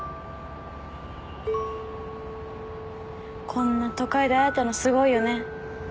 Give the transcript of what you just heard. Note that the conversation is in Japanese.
こんな都会で会えたのすごいよね。